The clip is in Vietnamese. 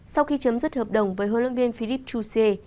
sau khi chấm dứt hợp đồng với huấn luyện viên philip chou siêu